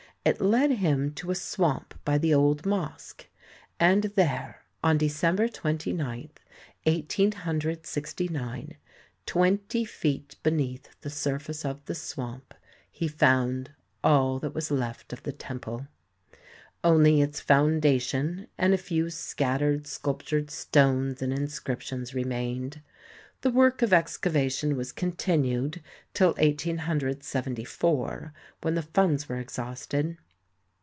It led him to a swamp by the old mosque, and there on December 29, 1869, twenty feet beneath the surface of the swamp, he found all that was left of the temple. Only its foundation and a few scattered sculptured stones and inscriptions remained. The work of excava tion was continued till 1874 when the funds were exhausted.